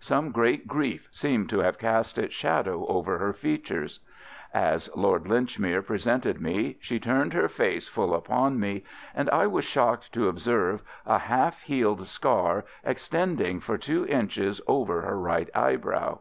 Some great grief seemed to have cast its shadow over her features. As Lord Linchmere presented me she turned her face full upon me, and I was shocked to observe a half healed scar extending for two inches over her right eyebrow.